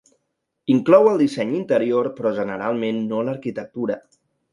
Inclou el disseny interior, però generalment no l'arquitectura.